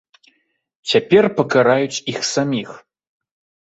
Цяпер пакараюць іх саміх.